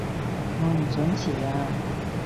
我唔想遲啊